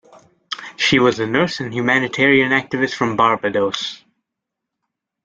She was a nurse and humanitarian activist from Barbados.